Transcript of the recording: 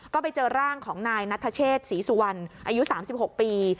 ก็ไปเจอร่างของนายนัทเชษศรีสุวรรณอายุ๓๖ปี